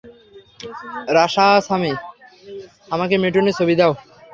রামাসামি, আমাকে মিঠুনের ছবি দাও।